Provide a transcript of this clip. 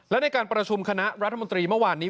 และในการประชุมคณะรัฐมนตรีเมื่อวานนี้